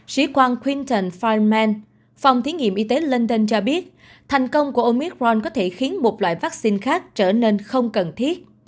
sĩ quan quinton feynman phòng thí nghiệm y tế london cho biết thành công của omicron có thể khiến một loại vaccine khác trở nên không cần thiết